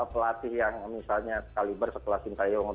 pelatih yang misalnya kaliber setelah sintayong